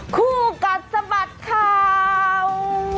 คู่กัดสะบัดข่าว